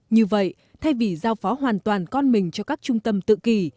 như vậy thay vì giao phó hoàn toàn con mình cho các trung tâm tự kỷ